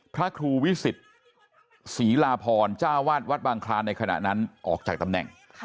พระครูวิสิทธิ์ศรีลาพรจ้าวาดวัดบางคลานในขณะนั้นออกจากตำแหน่ง